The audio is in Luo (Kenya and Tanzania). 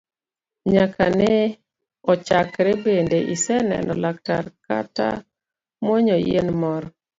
Nyaka ne ochakre bende iseneno laktar kata muonyo yien moro?